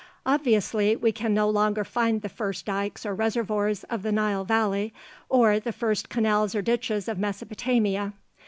Obviously, we can no longer find the first dikes or reservoirs of the Nile Valley, or the first canals or ditches of Mesopotamia.